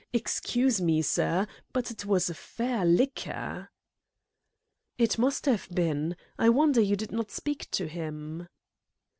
Excuse me, sir, but it was a fair licker!" "It must have been. I wonder you did not speak to him!"